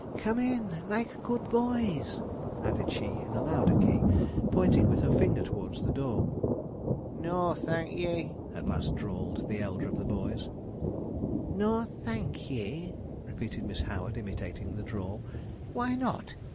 'Come in, like good boys,' added she in a louder key, pointing with her finger towards the door. 'Nor, thenk ye!' at last drawled the elder of the boys. 'Nor, thenk ye!' repeated Miss Howard, imitating the drawl. 'Why not?'